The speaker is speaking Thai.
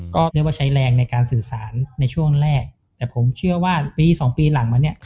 ก็เรียกว่าใช้แรงในการสื่อสารในช่วงแรกแต่ผมเชื่อว่าปี๒ปีหลังมาเนี่ย